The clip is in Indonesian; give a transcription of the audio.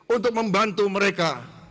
untuk membantu mereka